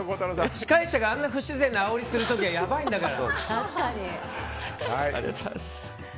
司会者があんな不自然な煽りする時、やばいんだから。